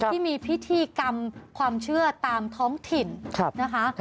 ที่มีพิธีกรรมความเชื่อตามท้องถิ่นนะคะ